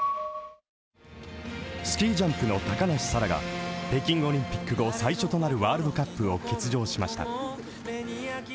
スキージャンプの高梨沙羅が北京オリンピック後、最初となるワールドカップを欠場しました。